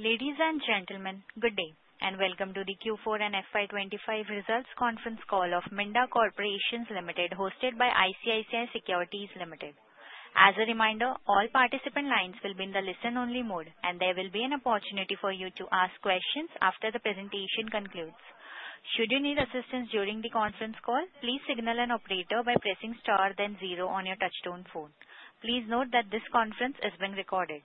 Ladies and gentlemen, good day and welcome to the Q4 and FY25 results conference call of Minda Corporation Limited, hosted by ICICI Securities Limited. As a reminder, all participant lines will be in the listen-only mode, and there will be an opportunity for you to ask questions after the presentation concludes. Should you need assistance during the conference call, please signal an operator by pressing star then zero on your touch-tone phone. Please note that this conference is being recorded.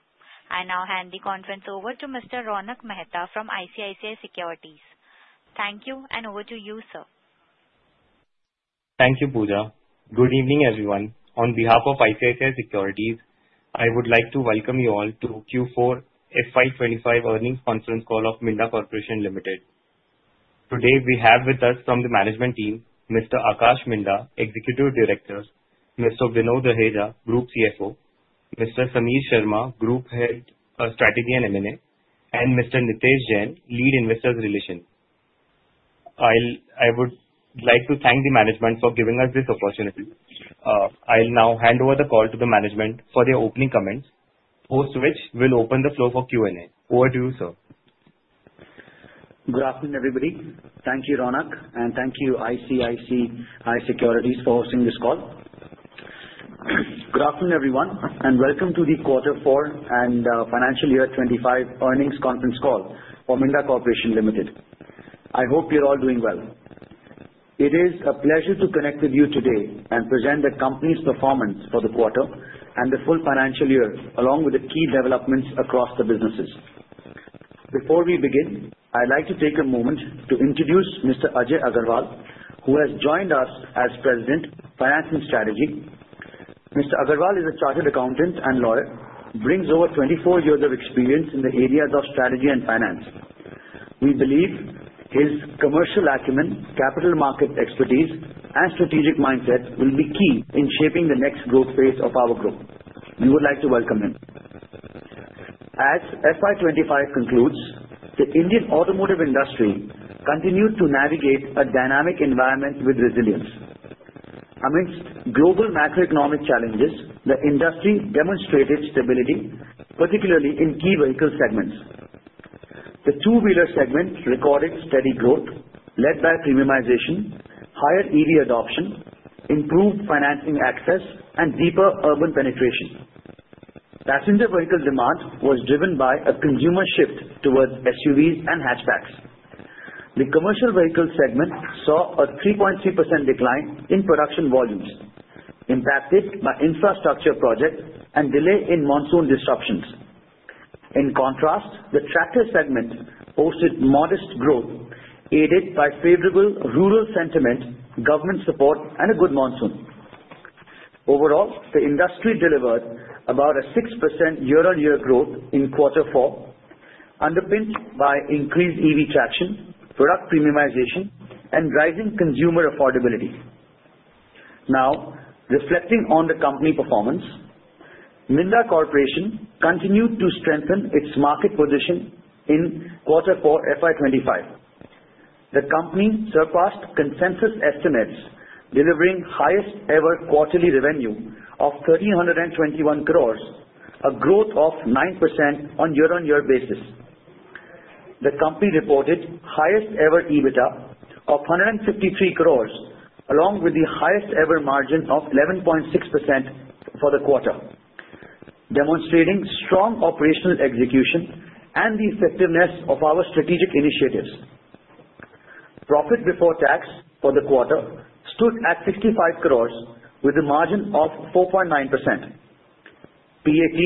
I now hand the conference over to Mr. Ronak Mehta from ICICI Securities. Thank you, and over to you, sir. Thank you, Pooja. Good evening, everyone. On behalf of ICICI Securities, I would like to welcome you all to Q4 FY25 earnings conference call of Minda Corporation Limited. Today, we have with us from the management team, Mr. Aakash Minda, Executive Director, Mr. Vinod Raheja, Group CFO, Mr. Sameer Sharma, Group Head, Strategy and M&A, and Mr. Nitesh Jain, Lead Investor Relations. I would like to thank the management for giving us this opportunity. I'll now hand over the call to the management for their opening comments, post which we'll open the floor for Q&A. Over to you, sir. Good afternoon, everybody. Thank you, Ronak, and thank you, ICICI Securities, for hosting this call. Good afternoon, everyone, and welcome to the Q4 and FY25 earnings conference call for Minda Corporation Limited. I hope you're all doing well. It is a pleasure to connect with you today and present the company's performance for the quarter and the full financial year, along with the key developments across the businesses. Before we begin, I'd like to take a moment to introduce Mr. Ajay Agarwal, who has joined us as President, Financing and Strategy. Mr. Agarwal is a Chartered Accountant and Lawyer, brings over 24 years of experience in the areas of strategy and finance. We believe his commercial acumen, capital market expertise, and strategic mindset will be key in shaping the next growth phase of our group. We would like to welcome him. As FY25 concludes, the Indian automotive industry continued to navigate a dynamic environment with resilience. Amidst global macroeconomic challenges, the industry demonstrated stability, particularly in key vehicle segments. The two-wheeler segment recorded steady growth, led by premiumization, higher EV adoption, improved financing access, and deeper urban penetration. Passenger vehicle demand was driven by a consumer shift towards SUVs and hatchbacks. The commercial vehicle segment saw a 3.3% decline in production volumes, impacted by infrastructure projects and delay in monsoon disruptions. In contrast, the tractor segment posted modest growth, aided by favorable rural sentiment, government support, and a good monsoon. Overall, the industry delivered about a 6% year-on-year growth in Q4, underpinned by increased EV traction, product premiumization, and rising consumer affordability. Now, reflecting on the company performance, Minda Corporation continued to strengthen its market position in Q4 FY25. The company surpassed consensus estimates, delivering highest-ever quarterly revenue of 1,321 crores, a growth of 9% on a year-on-year basis. The company reported highest-ever EBITDA of 153 crores, along with the highest-ever margin of 11.6% for the quarter, demonstrating strong operational execution and the effectiveness of our strategic initiatives. Profit before tax for the quarter stood at 65 crores, with a margin of 4.9%. PAT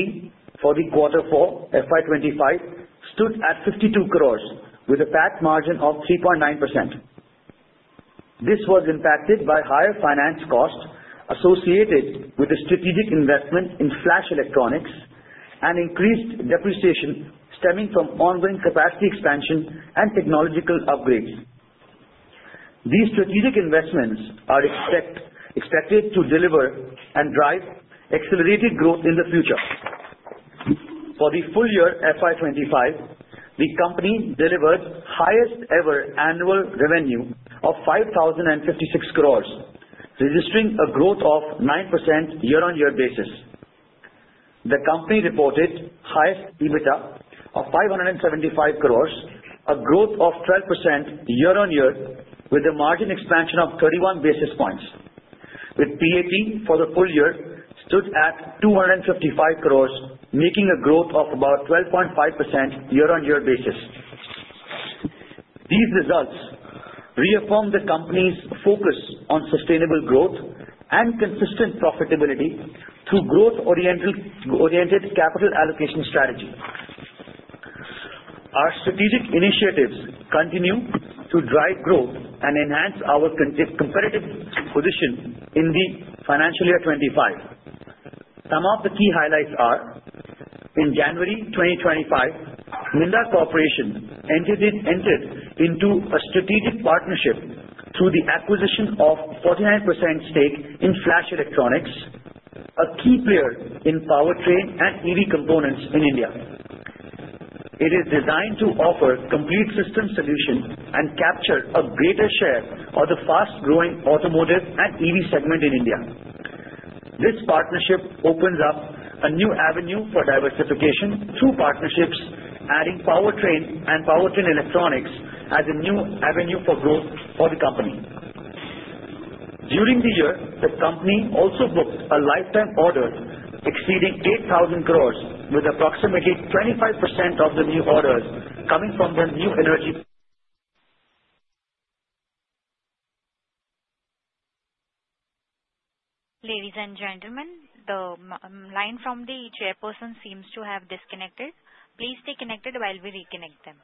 for Q4 FY25 stood at 52 crores, with a PAT margin of 3.9%. This was impacted by higher finance costs associated with the strategic investment in Flash Electronics and increased depreciation stemming from ongoing capacity expansion and technological upgrades. These strategic investments are expected to deliver and drive accelerated growth in the future. For the full year FY25, the company delivered highest-ever annual revenue of 5,056 crores, registering a growth of 9% year-on-year basis. The company reported highest EBITDA of 575 crores, a growth of 12% year-on-year, with a margin expansion of 31 basis points. With PAT for the full year stood at 255 crores, making a growth of about 12.5% year-on-year basis. These results reaffirm the company's focus on sustainable growth and consistent profitability through growth-oriented capital allocation strategy. Our strategic initiatives continue to drive growth and enhance our competitive position in the financial year 2025. Some of the key highlights are: in January 2025, Minda Corporation entered into a strategic partnership through the acquisition of a 49% stake in Flash Electronics, a key player in powertrain and EV components in India. It is designed to offer complete system solutions and capture a greater share of the fast-growing automotive and EV segment in India. This partnership opens up a new avenue for diversification through partnerships, adding powertrain and powertrain electronics as a new avenue for growth for the company. During the year, the company also booked a lifetime order exceeding 8,000 crores, with approximately 25% of the new orders coming from the new energy. Ladies and gentlemen, the line from the chairperson seems to have disconnected. Please stay connected while we reconnect them.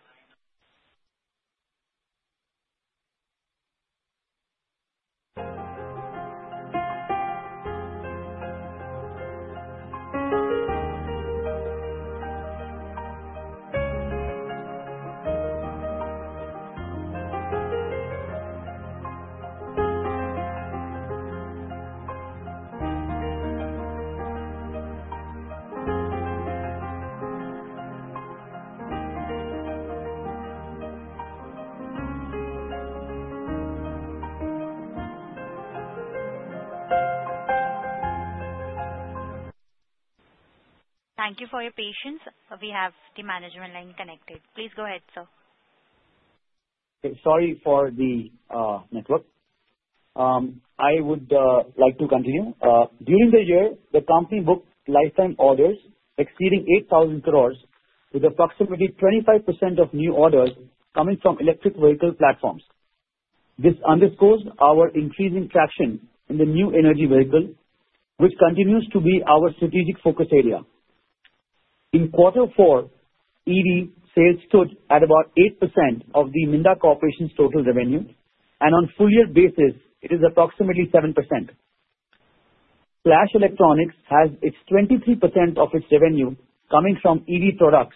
Thank you for your patience. We have the management line connected. Please go ahead, sir. Sorry for the network. I would like to continue. During the year, the company booked lifetime orders exceeding 8,000 crores, with approximately 25% of new orders coming from electric vehicle platforms. This underscores our increasing traction in the new energy vehicle, which continues to be our strategic focus area. In Q4, EV sales stood at about 8% of Minda Corporation's total revenue, and on a full-year basis, it is approximately 7%. Flash Electronics has 23% of its revenue coming from EV products,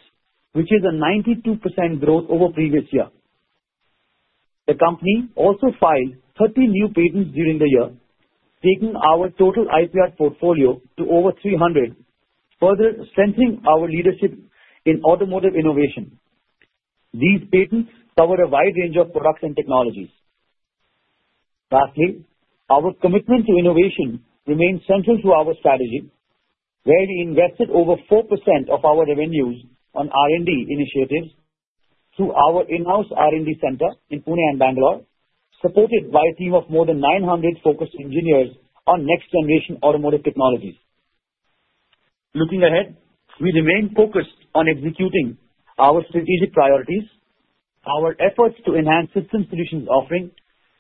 which is a 92% growth over the previous year. The company also filed 30 new patents during the year, taking our total IPR portfolio to over 300, further strengthening our leadership in automotive innovation. These patents cover a wide range of products and technologies. Lastly, our commitment to innovation remains central to our strategy, where we invested over 4% of our revenues on R&D initiatives through our in-house R&D center in Pune and Bangalore, supported by a team of more than 900 focused engineers on next-generation automotive technologies. Looking ahead, we remain focused on executing our strategic priorities, our efforts to enhance system solutions offering,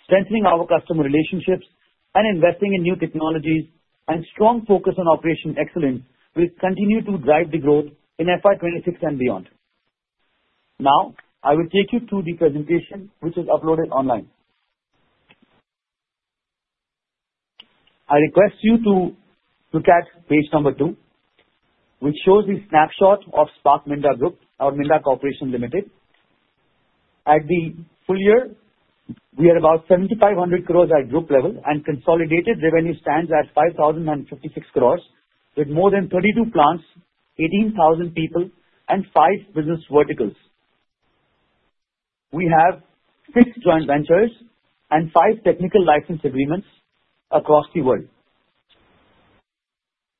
strengthening our customer relationships, and investing in new technologies, and a strong focus on operational excellence will continue to drive the growth in FY26 and beyond. Now, I will take you through the presentation, which is uploaded online. I request you to look at page number two, which shows a snapshot of Spark Minda Group, our Minda Corporation Limited. At the full year, we are about 7,500 crores at group level, and consolidated revenue stands at 5,056 crores, with more than 22 plants, 18,000 people, and five business verticals. We have six joint ventures and five technical license agreements across the world.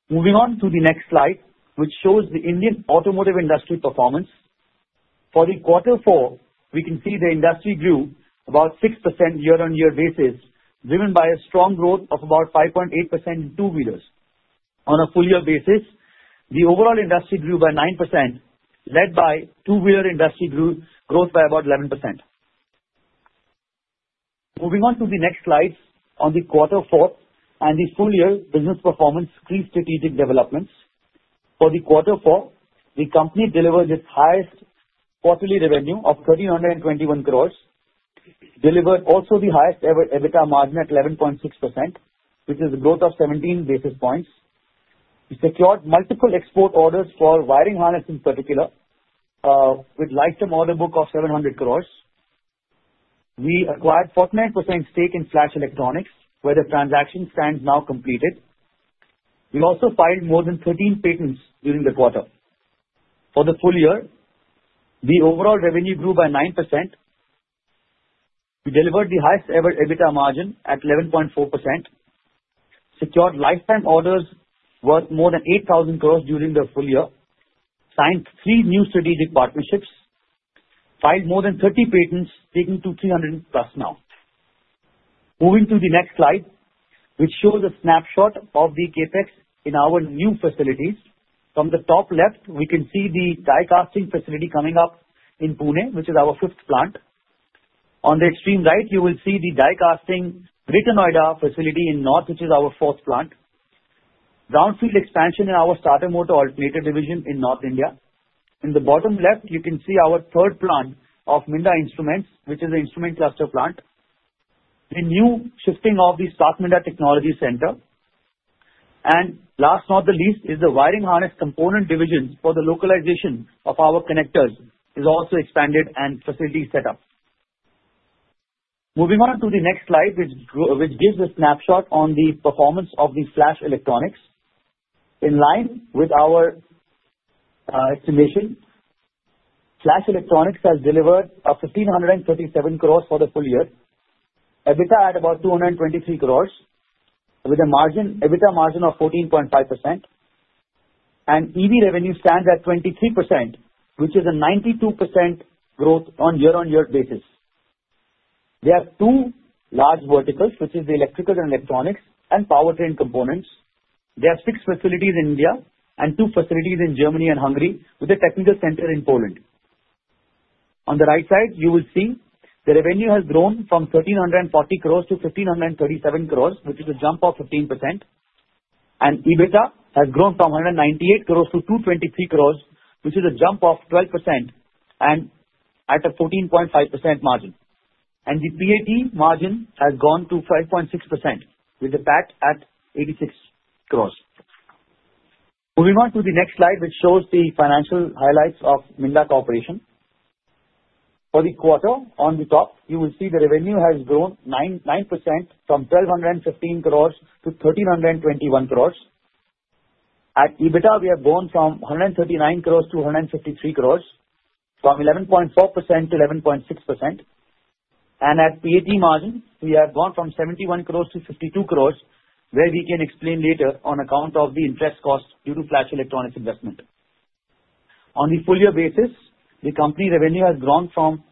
Moving on to the next slide, which shows the Indian automotive industry performance. For Q4, we can see the industry grew about 6% year-on-year basis, driven by a strong growth of about 5.8% in two-wheelers. On a full-year basis, the overall industry grew by 9%, led by two-wheeler industry growth by about 11%. Moving on to the next slides on Q4 and the full-year business performance, key strategic developments. For Q4, the company delivered its highest quarterly revenue of 1,321 crores, delivered also the highest-ever EBITDA margin at 11.6%, which is a growth of 17 basis points. We secured multiple export orders for wiring harnesses in particular, with lifetime order book of 700 crores. We acquired a 49% stake in Flash Electronics, where the transaction stands now completed. We also filed more than 13 patents during the quarter. For the full year, the overall revenue grew by 9%. We delivered the highest-ever EBITDA margin at 11.4%, secured lifetime orders worth more than 8,000 crores during the full year, signed three new strategic partnerships, filed more than 30 patents, taking to 300 plus now. Moving to the next slide, which shows a snapshot of the CapEx in our new facilities. From the top left, we can see the die-casting facility coming up in Pune, which is our fifth plant. On the extreme right, you will see the die-casting Greater Noida facility in North India, which is our fourth plant. Greenfield expansion in our starter motor alternator division in North India. In the bottom left, you can see our third plant of Minda Instruments, which is an instrument cluster plant. The new shifting of the Spark Minda Technology Center. Last but not the least, is the wiring harness component division for the localization of our connectors is also expanded and facilities set up. Moving on to the next slide, which gives a snapshot on the performance of the Flash Electronics. In line with our estimation, Flash Electronics has delivered 1,537 crores for the full year, EBITDA at about 223 crores, with a margin EBITDA margin of 14.5%, and EV revenue stands at 23%, which is a 92% growth on a year-on-year basis. There are two large verticals, which are the electrical and electronics and powertrain components. There are six facilities in India and two facilities in Germany and Hungary, with a technical center in Poland. On the right side, you will see the revenue has grown from 1,340 crores to 1,537 crores, which is a jump of 15%, and EBITDA has grown from 198 crores to 223 crores, which is a jump of 12% and at a 14.5% margin, and the PAT margin has gone to 5.6%, with a PAT at 86 crores. Moving on to the next slide, which shows the financial highlights of Minda Corporation. For Q4, on the top, you will see the revenue has grown 9% from 1,215 crores to 1,321 crores. At EBITDA, we have grown from 139 crores to 153 crores, from 11.4% to 11.6%, and at PAT margin, we have gone from 71 crores to 52 crores, where we can explain later on account of the interest cost due to Flash Electronics investment. On a full-year basis, the company revenue has grown from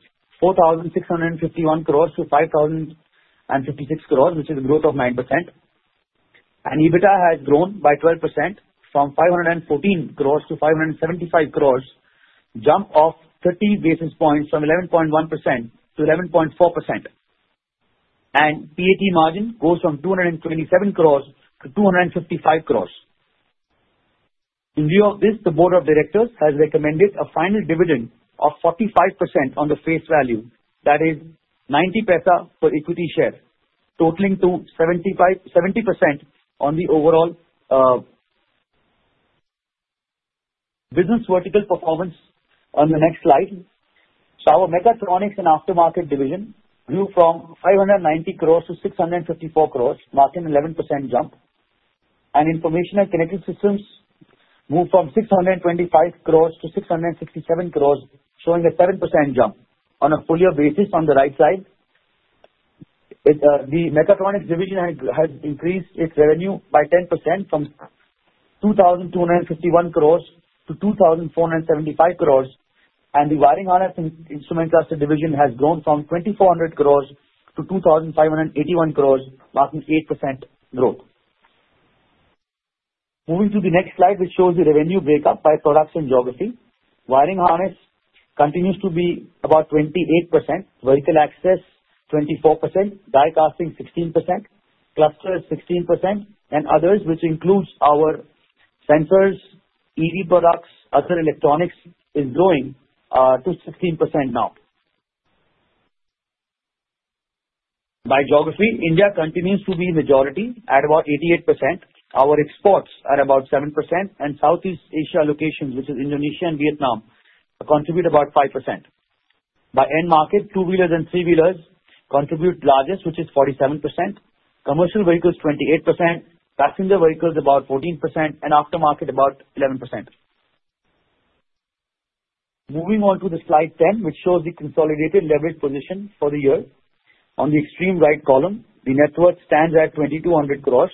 4,651 crores to 5,056 crores, which is a growth of 9%, and EBITDA has grown by 12% from 514 crores to 575 crores, a jump of 30 basis points from 11.1% to 11.4%, and PAT margin goes from 227 crores to 255 crores. In view of this, the board of directors has recommended a final dividend of 45% on the face value, that is 90% per equity share, totaling to 70% on the overall business vertical performance. On the next slide, our mechatronics and aftermarket division grew from 590 crores to 654 crores, marking an 11% jump, and information and connected systems moved from 625 crores to 667 crores, showing a 7% jump on a full-year basis. On the right side, the mechatronics division has increased its revenue by 10% from 2,251 crores to 2,475 crores, and the wiring harness and instrument cluster division has grown from 2,400 crores to 2,581 crores, marking 8% growth. Moving to the next slide, which shows the revenue breakup by products and geography. Wiring harness continues to be about 28%, vehicle access 24%, die-casting 16%, clusters 16%, and others, which includes our sensors, EV products, and other electronics, is growing to 16% now. By geography, India continues to be majority at about 88%. Our exports are about 7%, and Southeast Asia locations, which are Indonesia and Vietnam, contribute about 5%. By end market, two-wheelers and three-wheelers contribute largest, which is 47%. Commercial vehicles 28%, passenger vehicles about 14%, and after market about 11%. Moving on to the slide 10, which shows the consolidated leverage position for the year. On the extreme right column, the net worth stands at 2,200 crores,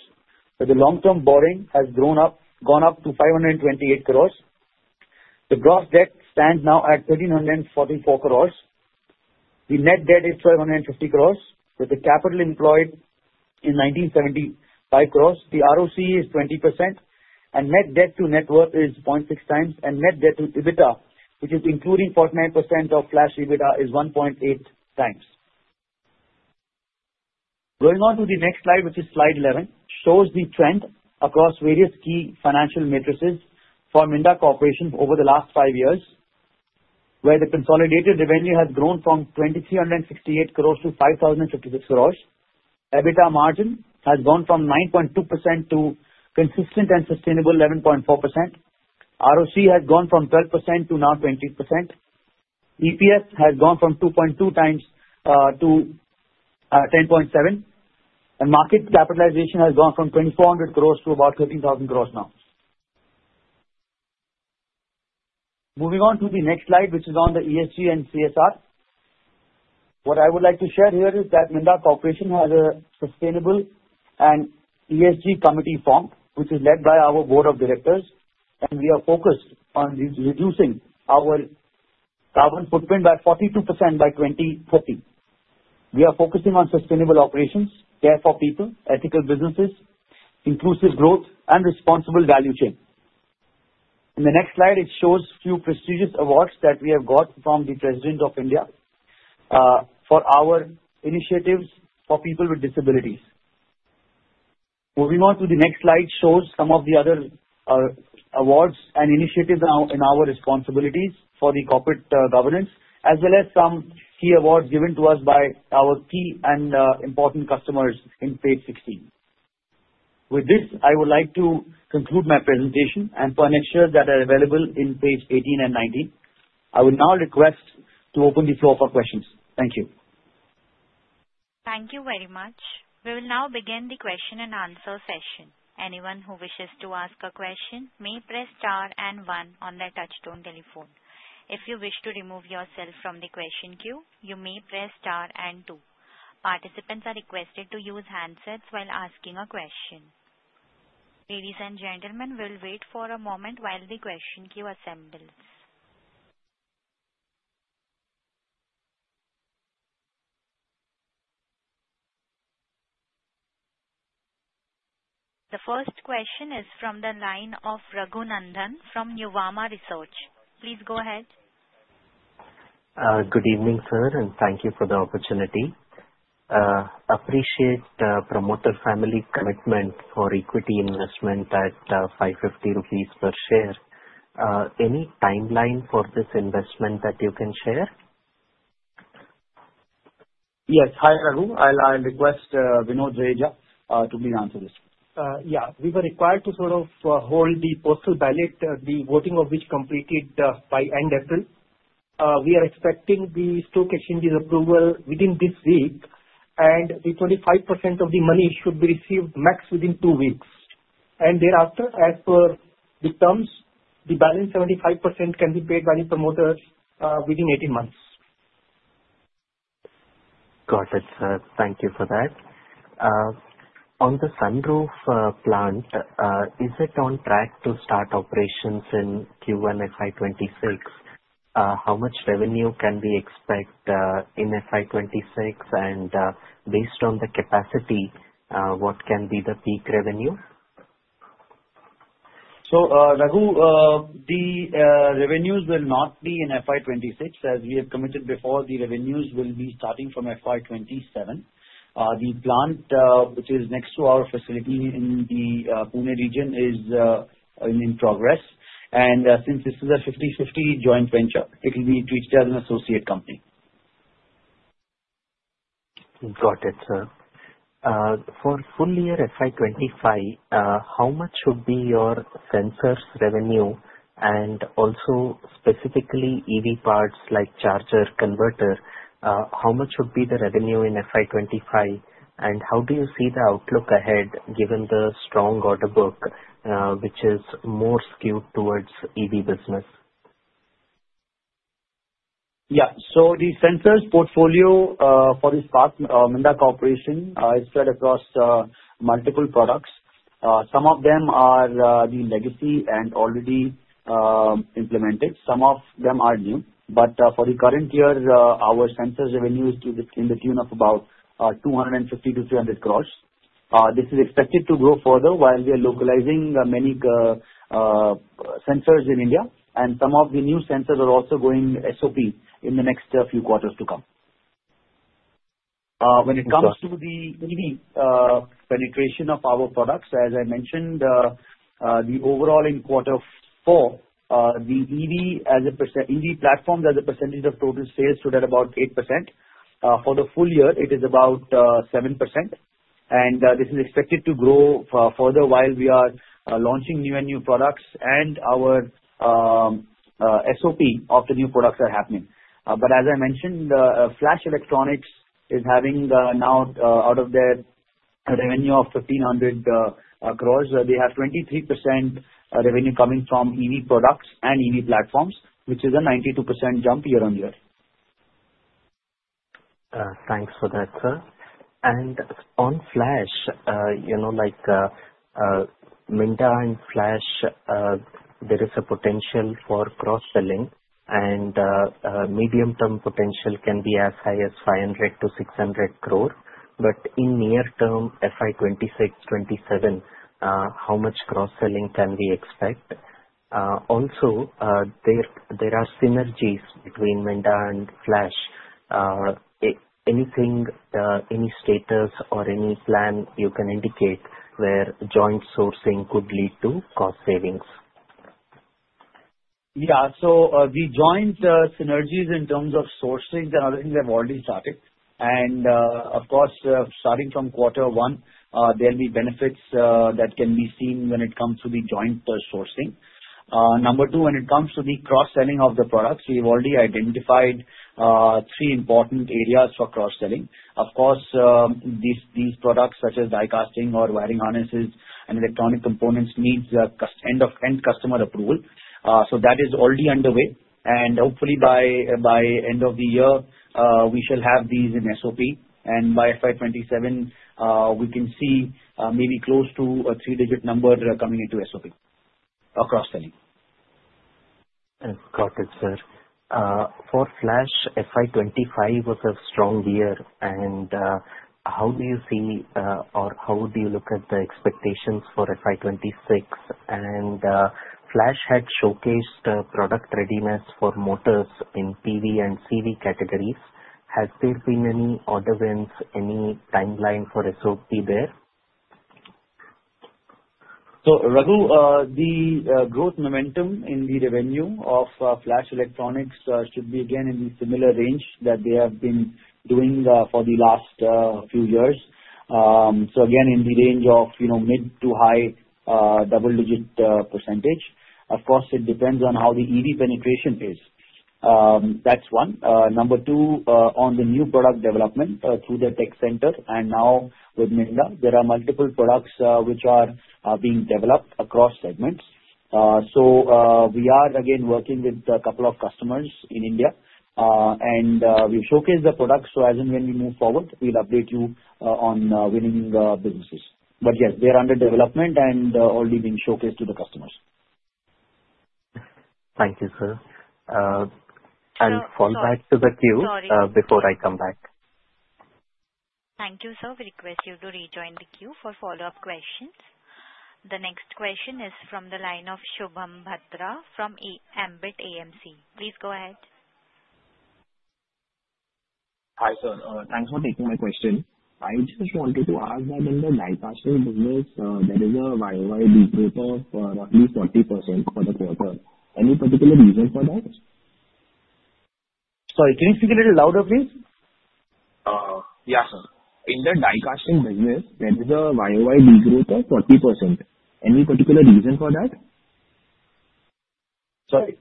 but the long-term borrowing has gone up to 528 crores. The gross debt stands now at 1,344 crores. The net debt is 550 crores, with the capital employed in 1,975 crores. The ROC is 20%, and net debt to net worth is 0.6 times, and net debt to EBITDA, which is including 49% of Flash EBITDA, is 1.8 times. Going on to the next slide, which is slide 11, shows the trend across various key financial metrics for Minda Corporation over the last five years, where the consolidated revenue has grown from 2,368 crores to 5,056 crores. EBITDA margin has gone from 9.2% to consistent and sustainable 11.4%. ROC has gone from 12% to now 20%. EPS has gone from 2.2 times to 10.7, and market capitalization has gone from 2,400 crores to about 13,000 crores now. Moving on to the next slide, which is on the ESG and CSR. What I would like to share here is that Minda Corporation has a sustainable and ESG committee formed, which is led by our board of directors, and we are focused on reducing our carbon footprint by 42% by 2040. We are focusing on sustainable operations, care for people, ethical businesses, inclusive growth, and responsible value chain. In the next slide, it shows a few prestigious awards that we have got from the President of India for our initiatives for people with disabilities. Moving on to the next slide shows some of the other awards and initiatives in our responsibilities for the corporate governance, as well as some key awards given to us by our key and important customers in page 16. With this, I would like to conclude my presentation, and further details that are available on pages 18 and 19. I would now request to open the floor for questions. Thank you. Thank you very much. We will now begin the question and answer session. Anyone who wishes to ask a question may press star and one on their touch-tone telephone. If you wish to remove yourself from the question queue, you may press star and two. Participants are requested to use handsets while asking a question. Ladies and gentlemen, we'll wait for a moment while the question queue assembles. The first question is from the line of Raghunandan from Nuvama Research. Please go ahead. Good evening, sir, and thank you for the opportunity. Appreciate the promoter family commitment for equity investment at 550 rupees per share. Any timeline for this investment that you can share? Yes. Hi, Raghu. I'll request Vinod Raheja to answer this. Yeah. We were required to sort of hold the postal ballot, the voting of which completed by end April. We are expecting the stock exchanges approval within this week, and the 25% of the money should be received max within two weeks. And thereafter, as per the terms, the balance 75% can be paid by the promoters within 18 months. Got it. Thank you for that. On the sunroof plant, is it on track to start operations in Q1 FY26? How much revenue can we expect in FY26? And based on the capacity, what can be the peak revenue? Raghu, the revenues will not be in FY26. As we have committed before, the revenues will be starting from FY27. The plant, which is next to our facility in the Pune region, is in progress. Since this is a 50/50 joint venture, it will be treated as an associate company. Got it, sir. For full-year FY25, how much should be your sensors revenue? And also, specifically, EV parts like charger converter, how much should be the revenue in FY25? And how do you see the outlook ahead given the strong order book, which is more skewed towards EV business? Yeah. The sensors portfolio for this part, Minda Corporation, is spread across multiple products. Some of them are the legacy and already implemented. Some of them are new. But for the current year, our sensors revenue is in the tune of about 250 crores-300 crores. This is expected to grow further while we are localizing many sensors in India. And some of the new sensors are also going SOP in the next few quarters to come. When it comes to the EV penetration of our products, as I mentioned, the overall in quarter four, the EV platforms as a percentage of total sales stood at about 8%. For the full year, it is about 7%. And this is expected to grow further while we are launching new and new products and our SOP of the new products are happening. But as I mentioned, Flash Electronics is having now, out of their revenue of 1,500 crores, they have 23% revenue coming from EV products and EV platforms, which is a 92% jump year on year. Thanks for that, sir. And on Flash, like Minda and Flash, there is a potential for cross-selling, and medium-term potential can be as high as 500 crores-600 crores. But in near-term, FY26, FY27, how much cross-selling can we expect? Also, there are synergies between Minda and Flash. Anything, any status, or any plan you can indicate where joint sourcing could lead to cost savings? Yeah. So the joint synergies in terms of sourcing and other things have already started. And of course, starting from quarter one, there will be benefits that can be seen when it comes to the joint sourcing. Number two, when it comes to the cross-selling of the products, we've already identified three important areas for cross-selling. Of course, these products such as die-casting or wiring harnesses and electronic components need end-to-end customer approval. So that is already underway. And hopefully, by end of the year, we shall have these in SOP. And by FY27, we can see maybe close to a three-digit number coming into SOP for cross-selling. Got it, sir. For Flash, FY25 was a strong year. And how do you see or how do you look at the expectations for FY26? And Flash had showcased product readiness for motors in PV and CV categories. Has there been any other wins, any timeline for SOP there? Raghu, the growth momentum in the revenue of Flash Electronics should be again in the similar range that they have been doing for the last few years. So again, in the range of mid- to high double-digit percentage. Of course, it depends on how the EV penetration is. That's one. Number two, on the new product development through the tech center and now with Minda, there are multiple products which are being developed across segments. So we are again working with a couple of customers in India, and we've showcased the products. So as and when we move forward, we'll update you on winning businesses. But yes, they're under development and already being showcased to the customers. Thank you, sir. And fall back to the queue before I come back. Thank you, sir. We request you to rejoin the queue for follow-up questions. The next question is from the line of Shubham Bhadra from Ambit AMC. Please go ahead. Hi, sir. Thanks for taking my question. I just wanted to ask that in the die-casting business, there is a YOY growth of roughly 40% for the quarter. Any particular reason for that? Sorry, can you speak a little louder, please? Yeah, sir. In the die-casting business, there is a YOY growth of 40%. Any particular reason for that? Sorry.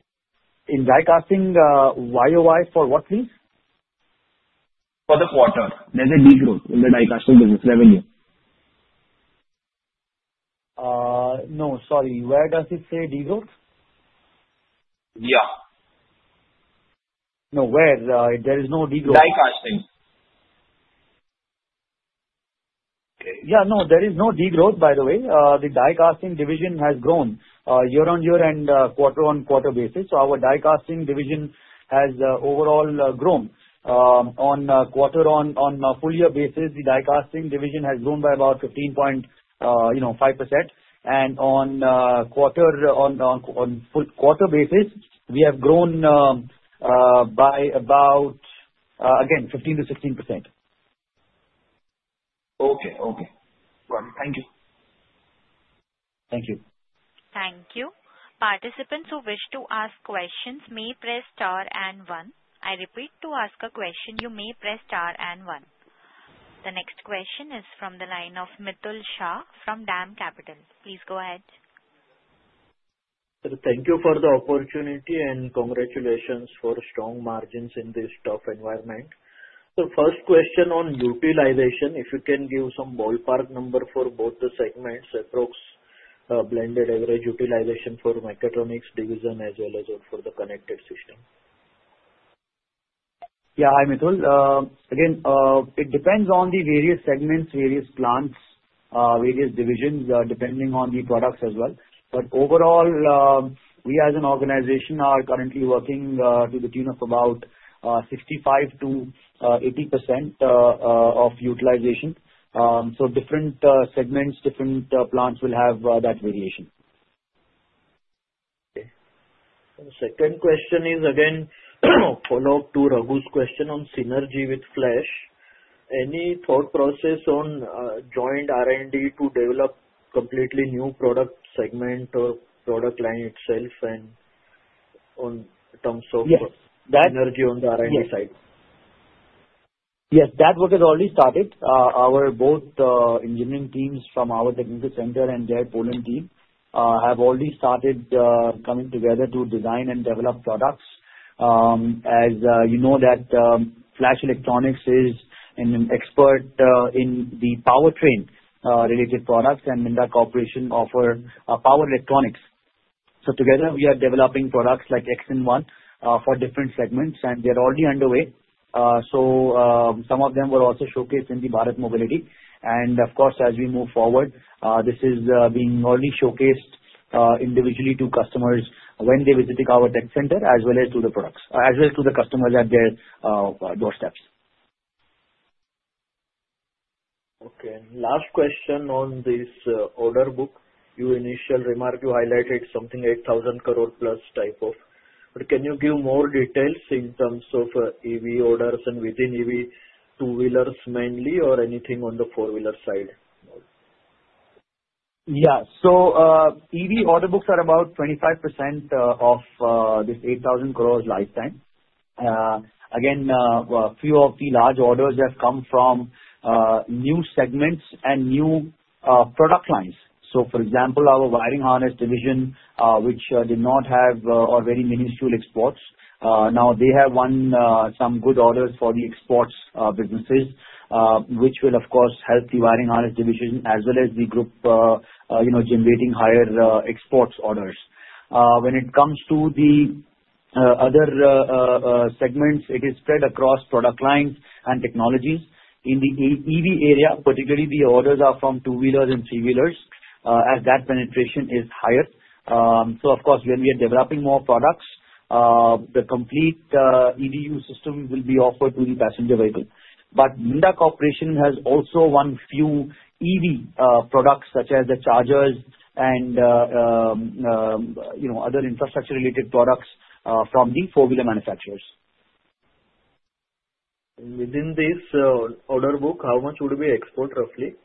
In die-casting, YOY for what, please? For the quarter, there's a degrowth in the die-casting business revenue. No, sorry. Where does it say degrowth? Yeah. No, where? There is no degrowth. Die-casting. Yeah, no, there is no degrowth, by the way. The die-casting division has grown year on year and quarter on quarter basis. So our die-casting division has overall grown. On quarter on full-year basis, the die-casting division has grown by about 15.5%. And on quarter on quarter basis, we have grown by about, again, 15%-16%. Okay, okay. Got it. Thank you. Thank you. Thank you. Participants who wish to ask questions may press star and one. I repeat, to ask a question, you may press star and one. The next question is from the line of Mitul Shah from DAM Capital. Please go ahead. Thank you for the opportunity and congratulations for strong margins in this tough environment. So first question on utilization, if you can give some ballpark number for both the segments, approx blended average utilization for mechatronics division as well as for the connection system. Yeah, hi Mitul. Again, it depends on the various segments, various plants, various divisions depending on the products as well. But overall, we as an organization are currently working to the tune of about 65%-80% utilization. So different segments, different plants will have that variation. Okay. And the second question is again follow-up to Raghu's question on synergy with Flash. Any thought process on joint R&D to develop completely new product segment or product line itself and in terms of synergy on the R&D side? Yes. That work has already started. Our both engineering teams from our technical center and their Poland team have already started coming together to design and develop products. As you know, Flash Electronics is an expert in the powertrain-related products, and Minda Corporation offers power electronics, so together, we are developing products like X-in-1 for different segments, and they're already underway, so some of them were also showcased in the Bharat Mobility, and of course, as we move forward, this is being only showcased individually to customers when they visit our tech center as well as to the products as well as to the customers at their doorsteps. Okay. Last question on this order book. Your initial remark, you highlighted something 8,000 crore plus type of. But can you give more details in terms of EV orders and within EV, two-wheelers mainly, or anything on the four-wheeler side? Yeah, so EV order books are about 25% of this 8,000 crore lifetime. Again, a few of the large orders have come from new segments and new product lines. So, for example, our wiring harness division, which did not have very minuscule exports, now they have won some good orders for the exports businesses, which will, of course, help the wiring harness division as well as the group generating higher exports orders. When it comes to the other segments, it is spread across product lines and technologies. In the EV area, particularly, the orders are from two-wheelers and three-wheelers as that penetration is higher. So, of course, when we are developing more products, the complete EVU system will be offered to the passenger vehicle. But Minda Corporation has also won few EV products such as the chargers and other infrastructure-related products from the four-wheeler manufacturers. Within this order book, how much would be export roughly?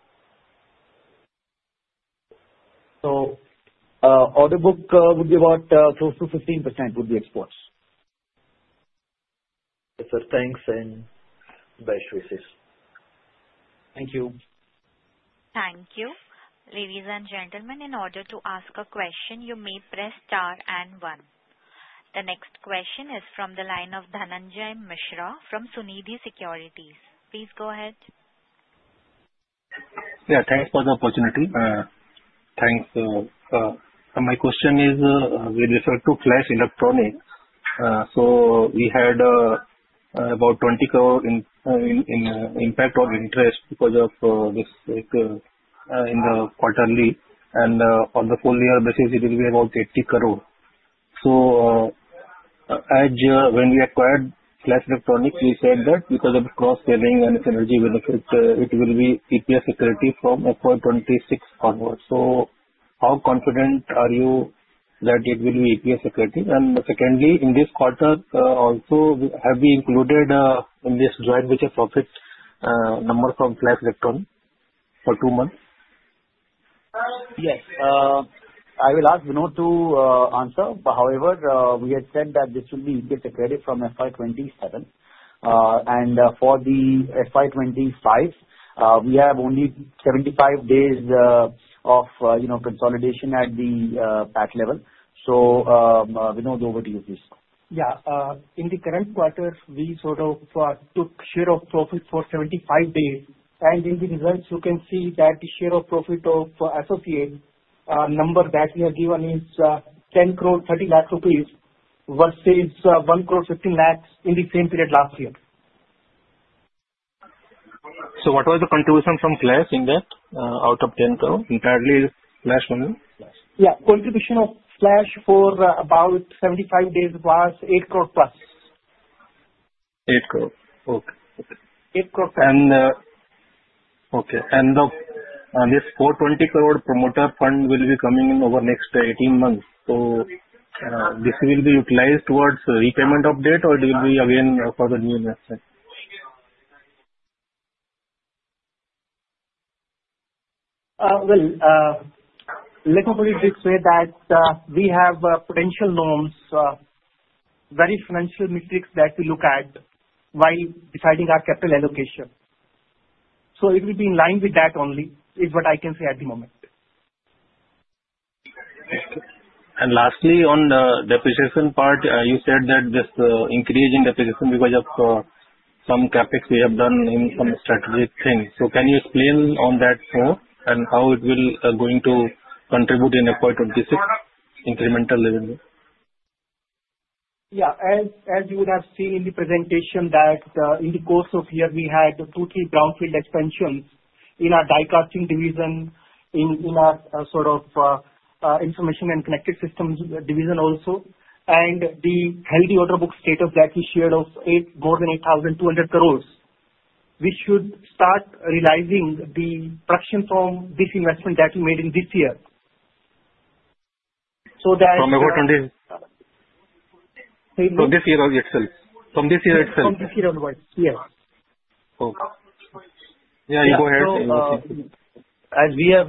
Order book would be about close to 15% would be exports. Yes, sir. Thanks and best wishes. Thank you. Thank you. Ladies and gentlemen, in order to ask a question, you may press star and one. The next question is from the line of Dhananjay Mishra from Sunidhi Securities. Please go ahead. Yeah. Thanks for the opportunity. Thanks. My question is, we refer to Flash Electronics. So we had about 20 crore in impact or interest because of this in the quarterly. And on the full-year basis, it will be about 80 crore. So when we acquired Flash Electronics, we said that because of cross-selling and synergy benefit, it will be EPS equity from FY26 onwards. So how confident are you that it will be EPS equity? And secondly, in this quarter, also, have we included in this joint venture profit number from Flash Electronics for two months? Yes. I will ask Vinod to answer. However, we had said that this will be EPS equity from FY27. And for the FY25, we have only 75 days of consolidation at the PAT level. So Vinod, over to you, please. Yeah. In the current quarter, we sort of took share of profit for 75 days. And in the results, you can see that the share of profit of associate number that we have given is 10 crore, 30 lakh rupees versus 1 crore, 15 lakh in the same period last year. So what was the contribution from Flash in that out of 10 crore? Entirely Flash money? Yeah. Contribution of Flash for about 75 days was 8 crore plus. 8 crore. Okay. 8 crore plus. Okay. This 420 crore promoter fund will be coming in over next 18 months. So this will be utilized towards repayment of debt, or it will be again for the new investment? Well, let me put it this way that we have potential norms, various financial metrics that we look at while deciding our capital allocation. So it will be in line with that only is what I can say at the moment. And lastly, on the depreciation part, you said that this increase in depreciation because of some CapEx we have done in some strategic things. So can you explain on that more and how it will going to contribute in FY26 incremental revenue? Yeah. As you would have seen in the presentation that in the course of year, we had two to three brownfield expansions in our die-casting division, in our sort of information and connected systems division also, and the healthy order book status that we shared of more than 8,200 crores. We should start realizing the production from this investment that we made in this year. So that. From FY26? Say it again. From this year itself? From this year onwards, yes. Okay. Yeah, you go ahead. As we have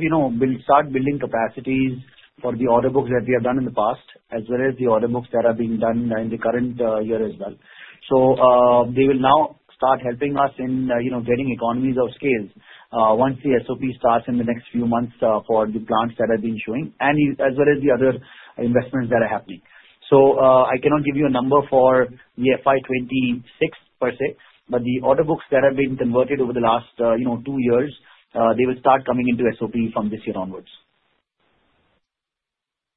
started building capacities for the order books that we have done in the past, as well as the order books that are being done in the current year as well, so they will now start helping us in getting economies of scale once the SOP starts in the next few months for the plants that have been showing, and as well as the other investments that are happening, so I cannot give you a number for the FY26 per se, but the order books that have been converted over the last two years, they will start coming into SOP from this year onwards.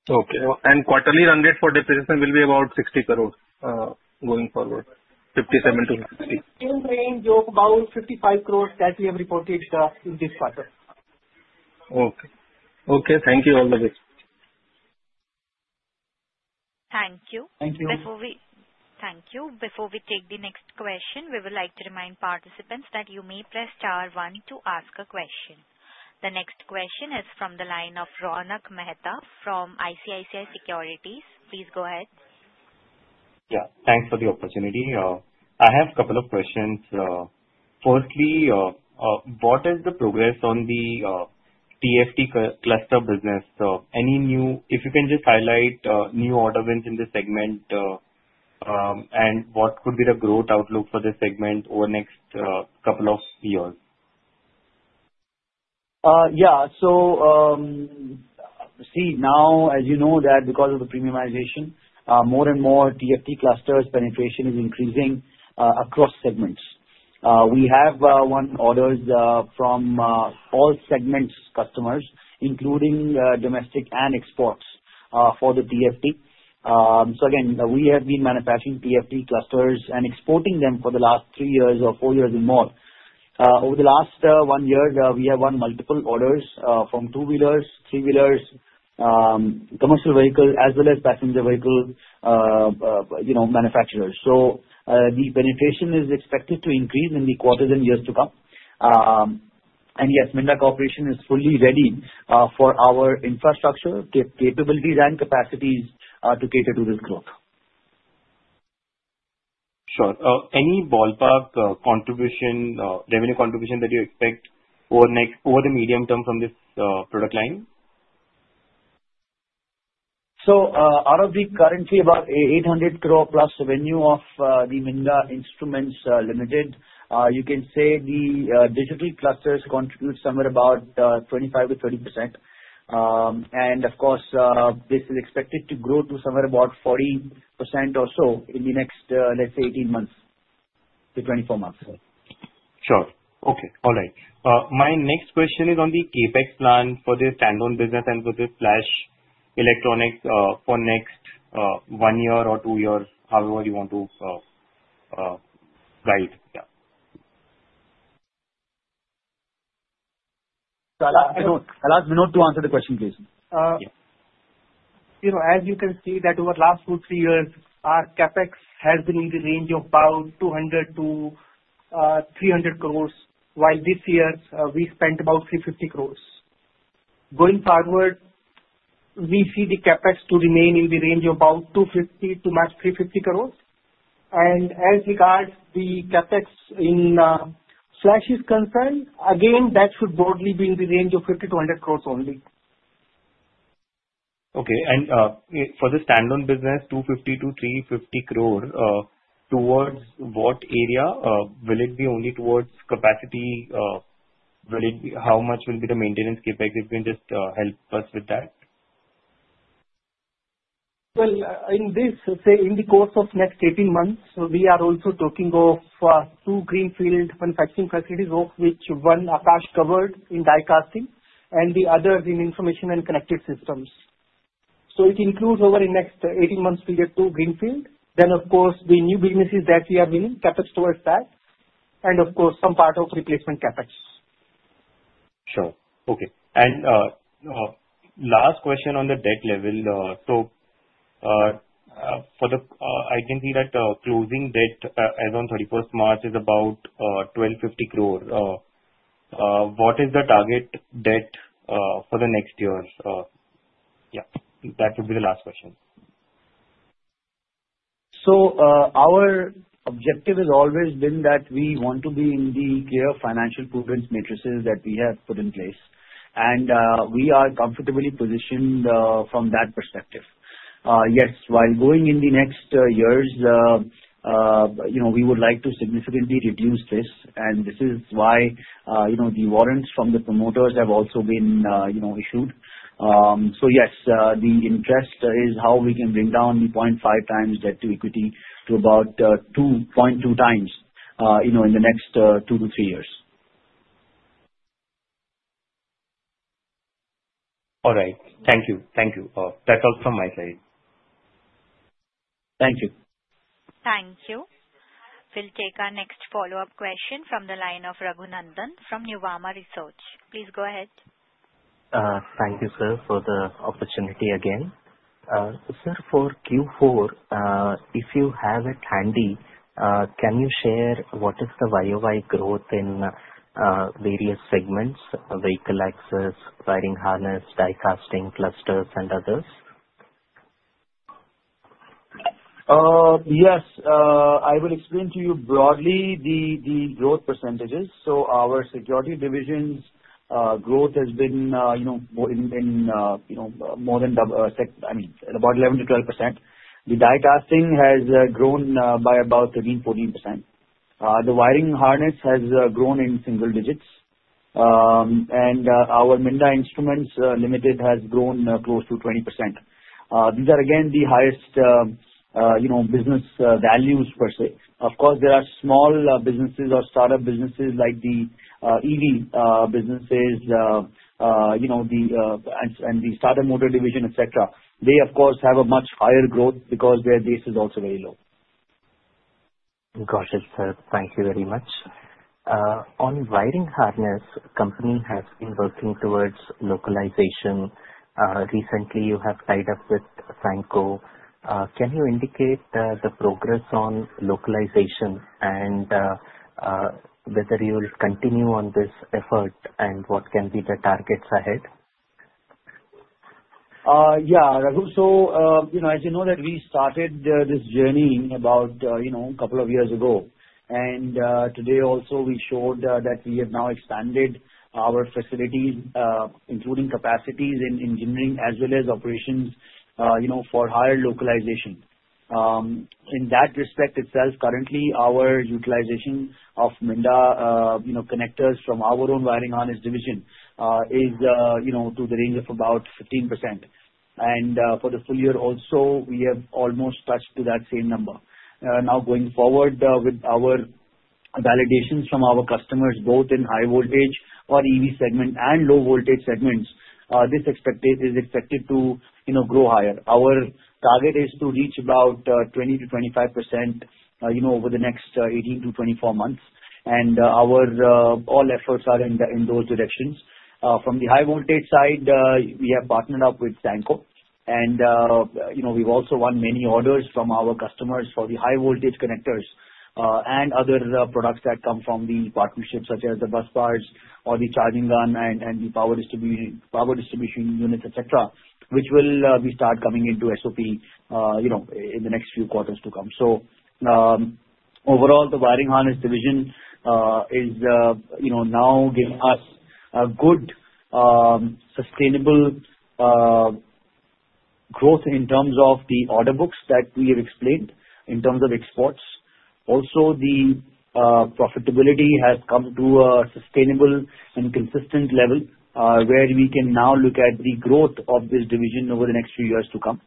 Okay. And quarterly run rate for depreciation will be about 60 crore going forward, 57 crore-60 crore? In range, you have about 55 crores that we have reported in this quarter. Okay. Okay. Thank you. All the best. Thank you. Thank you. Thank you. Before we take the next question, we would like to remind participants that you may press star one to ask a question. The next question is from the line of Ronak Mehta from ICICI Securities. Please go ahead. Yeah. Thanks for the opportunity. I have a couple of questions. Firstly, what is the progress on the TFT cluster business? If you can just highlight new order wins in the segment and what could be the growth outlook for the segment over the next couple of years? Yeah. So see, now, as you know, that because of the premiumization, more and more TFT clusters' penetration is increasing across segments. We have won orders from all segments' customers, including domestic and exports for the TFT. So again, we have been manufacturing TFT clusters and exporting them for the last three years or four years or more. Over the last one year, we have won multiple orders from two-wheelers, three-wheelers, commercial vehicles, as well as passenger vehicle manufacturers. So the penetration is expected to increase in the quarters and years to come. And yes, Minda Corporation is fully ready for our infrastructure capabilities and capacities to cater to this growth. Sure. Any ballpark revenue contribution that you expect over the medium term from this product line? Out of the currently about 800 crore plus revenue of the Minda Instruments Limited, you can say the digital clusters contribute somewhere about 25%-30%. Of course, this is expected to grow to somewhere about 40% or so in the next, let's say, 18 months to 24 months. Sure. Okay. All right. My next question is on the CapEx plan for the standalone business and for the Flash Electronics for next one year or two years, however you want to guide? Yeah. I'll ask Vinod to answer the question, please. As you can see, that over the last two, three years, our CapEx has been in the range of about 200 crores-300 crores, while this year we spent about 350 crores. Going forward, we see the CapEx to remain in the range of about 250 crores-350 crores. And as regards the CapEx in Flash's concern, again, that should broadly be in the range of INR 50crores -100 crores only. Okay. And for the standalone business, 250 crores-350 crore, towards what area? Will it be only towards capacity? How much will be the maintenance CapEx? If you can just help us with that. In the course of next 18 months, we are also talking of two greenfield manufacturing facilities, of which one Akash covered in die-casting and the other in information and connected systems. It includes over the next 18 months' period, two greenfield. Of course, the new businesses that we are winning, CapEx towards that, and of course, some part of replacement CapEx. Sure. Okay. And last question on the debt level. So I can see that closing debt as of 31st March is about 1,250 crore. What is the target debt for the next year? Yeah. That would be the last question. So our objective has always been that we want to be in the clear financial prudence metrics that we have put in place. And we are comfortably positioned from that perspective. Yes, while going in the next years, we would like to significantly reduce this. And this is why the warrants from the promoters have also been issued. So yes, the intent is how we can bring down the [1.5x] debt to equity to about 2.2x in the next two to three years. All right. Thank you. Thank you. That's all from my side. Thank you. Thank you. We'll take our next follow-up question from the line of Raghunandan from Nuvama Research. Please go ahead. Thank you, sir, for the opportunity again. Sir, for Q4, if you have it handy, can you share what is the YOY growth in various segments: vehicle access, wiring harness, die-casting clusters, and others? Yes. I will explain to you broadly the growth percentages. So our security division's growth has been in more than I mean, about 11%-12%. The die-casting has grown by about 13%-14%. The wiring harness has grown in single digits. And our Minda Instruments Limited has grown close to 20%. These are, again, the highest business volumes per se. Of course, there are small businesses or startup businesses like the EV businesses and the starter motor division, etc. They, of course, have a much higher growth because their base is also very low. Got it, sir. Thank you very much. On wiring harness, the company has been working towards localization. Recently, you have tied up with Flash. Can you indicate the progress on localization and whether you will continue on this effort and what can be the targets ahead? Yeah, so as you know that we started this journey about a couple of years ago, and today also we showed that we have now expanded our facilities, including capacities in engineering as well as operations for higher localization. In that respect itself, currently, our utilization of Minda connectors from our own wiring harness division is to the range of about 15%. And for the full year also, we have almost touched that same number. Now, going forward with our validations from our customers, both in high-voltage or EV segment and low-voltage segments, this is expected to grow higher. Our target is to reach about 20%-25% over the next 18-24 months, and all efforts are in those directions. From the high-voltage side, we have partnered up with Flash. And we've also won many orders from our customers for the high-voltage connectors and other products that come from the partnership, such as the bus bars or the charging gun and the power distribution units, etc., which will be started coming into SOP in the next few quarters to come. So overall, the wiring harness division is now giving us a good sustainable growth in terms of the order books that we have explained in terms of exports. Also, the profitability has come to a sustainable and consistent level where we can now look at the growth of this division over the next few years to come,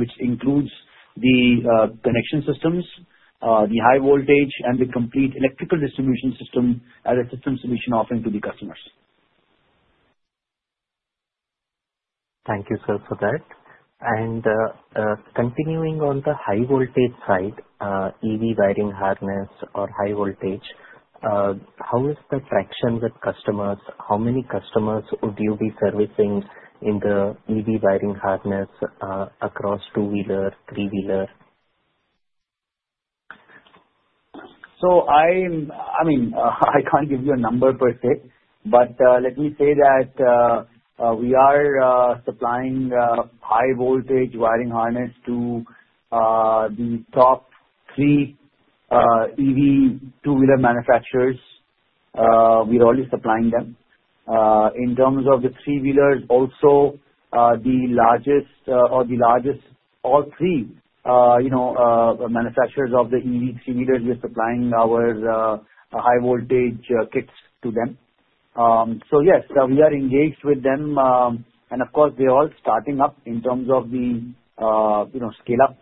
which includes the connection systems, the high-voltage, and the complete electrical distribution system as a system solution offering to the customers. Thank you, sir, for that. And continuing on the high-voltage side, EV wiring harness or high-voltage, how is the traction with customers? How many customers would you be servicing in the EV wiring harness across two-wheeler, three-wheeler? So I mean, I can't give you a number per se, but let me say that we are supplying high-voltage wiring harness to the top three EV two-wheeler manufacturers. We're always supplying them. In terms of the three-wheelers, also the largest, or all three manufacturers of the EV three-wheelers, we're supplying our high-voltage kits to them. So yes, we are engaged with them. And of course, they're all starting up in terms of the scale-up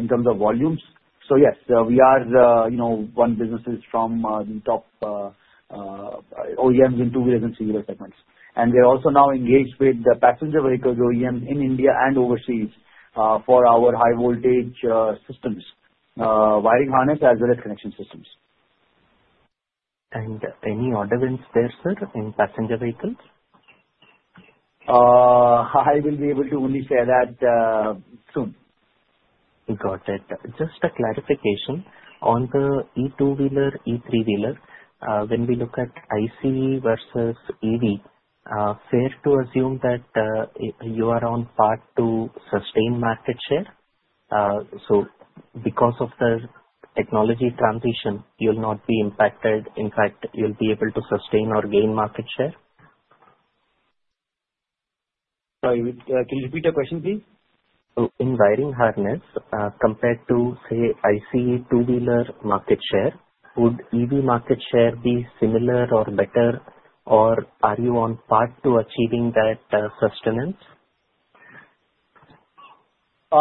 in terms of volumes. So yes, we are in business with the top OEMs in two-wheelers and three-wheeler segments. And we're also now engaged with the passenger vehicle OEMs in India and overseas for our high-voltage systems, wiring harness, as well as connection systems. Any order wins there, sir, in passenger vehicles? I will be able to only share that soon. Got it. Just a clarification on the E2-wheeler, E3-wheeler. When we look at IC versus EV, fair to assume that you are on par to sustain market share? So because of the technology transition, you'll not be impacted. In fact, you'll be able to sustain or gain market share? Sorry, can you repeat the question, please? In wiring harness, compared to, say, IC two-wheeler market share, would EV market share be similar or better, or are you on par to achieving that sustenance?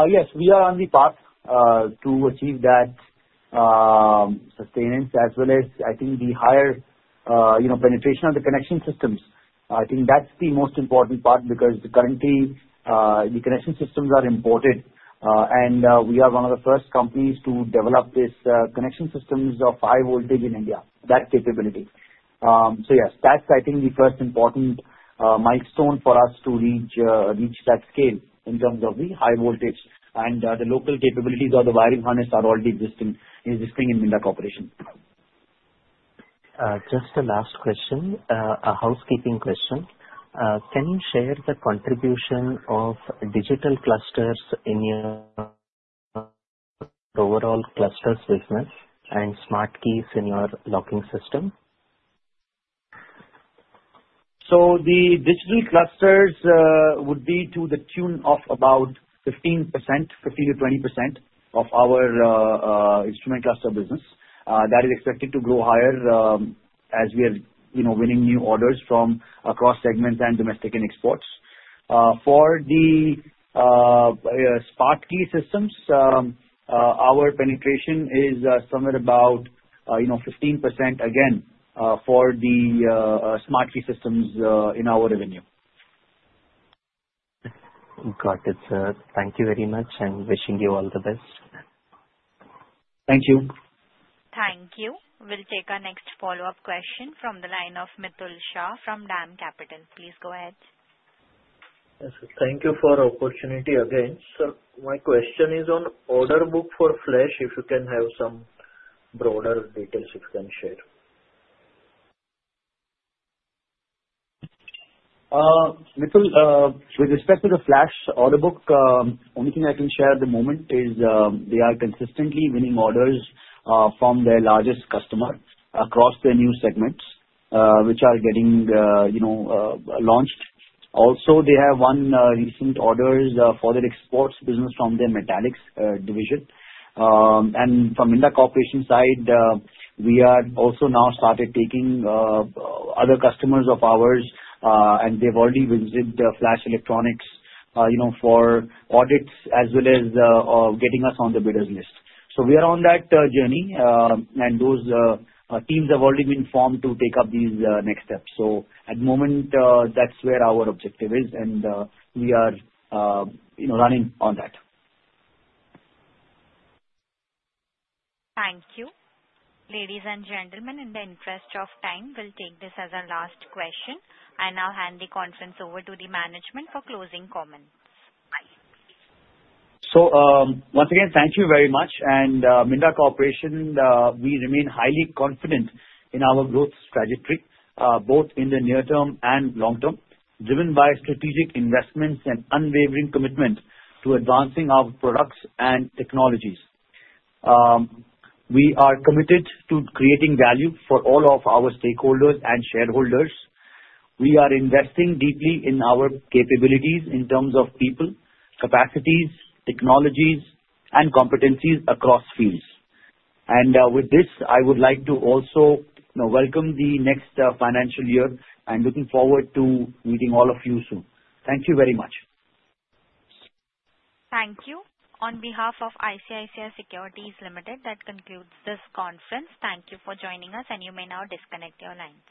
Yes, we are on the path to achieve that sustenance, as well as, I think, the higher penetration of the connection systems. I think that's the most important part because currently, the connection systems are imported, and we are one of the first companies to develop these connection systems of high voltage in India, that capability, so yes, that's, I think, the first important milestone for us to reach that scale in terms of the high voltage, and the local capabilities of the wiring harness are already existing in Minda Corporation. Just a last question, a housekeeping question. Can you share the contribution of digital clusters in your overall clusters business and smart keys in your locking system? The digital clusters would be to the tune of about 15%, 15%-20% of our instrument cluster business. That is expected to grow higher as we are winning new orders from across segments and domestic and exports. For the smart key systems, our penetration is somewhere about 15%, again, for the smart key systems in our revenue. Got it, sir. Thank you very much and wishing you all the best. Thank you. Thank you. We'll take our next follow-up question from the line of Mitul Shah from DAM Capital. Please go ahead. Yes, thank you for the opportunity again. Sir, my question is on order book for Flash, if you can have some broader details you can share. Mitul, with respect to the Flash order book, only thing I can share at the moment is they are consistently winning orders from their largest customer across their new segments, which are getting launched. Also, they have one recent order for their exports business from their metallics division. And from Minda Corporation side, we are also now started taking other customers of ours, and they've already visited Flash Electronics for audits as well as getting us on the bidders list. So we are on that journey, and those teams have already been formed to take up these next steps. So at the moment, that's where our objective is, and we are running on that. Thank you. Ladies and gentlemen, in the interest of time, we'll take this as our last question. I now hand the conference over to the management for closing comments. Once again, thank you very much. Minda Corporation, we remain highly confident in our growth trajectory, both in the near term and long term, driven by strategic investments and unwavering commitment to advancing our products and technologies. We are committed to creating value for all of our stakeholders and shareholders. We are investing deeply in our capabilities in terms of people, capacities, technologies, and competencies across fields. With this, I would like to also welcome the next financial year and, looking forward to meeting all of you soon. Thank you very much. Thank you. On behalf of ICICI Securities Limited, that concludes this conference. Thank you for joining us, and you may now disconnect your lines.